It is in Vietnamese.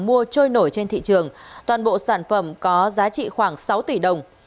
mua trôi nổi trên thị trường toàn bộ sản phẩm có giá trị khoảng sáu tỷ đồng